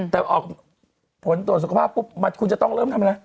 แต่ออกผลตรวจสุขภาพปุ๊บคุณจะต้องเริ่มทำอะไร